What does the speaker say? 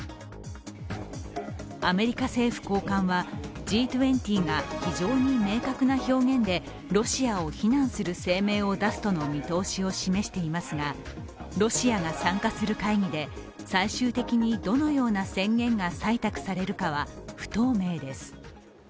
アメリカ政府高官はＧ２０が非常に明確な表現でロシアを非難する声明を出すとの見通しを示していますがロシアが参加する会議で最終的にどのような宣言が採択されるかは不透明です。